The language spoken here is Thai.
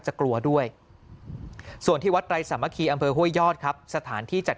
กลัวด้วยส่วนที่วัดไตรสามัคคีอำเภอห้วยยอดครับสถานที่จัด